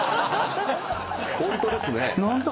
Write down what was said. ホントですね。